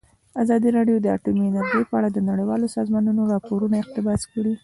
ازادي راډیو د اټومي انرژي په اړه د نړیوالو سازمانونو راپورونه اقتباس کړي.